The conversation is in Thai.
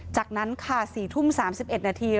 จากนั้นค่ะ๔ทุ่ม๓๑นาที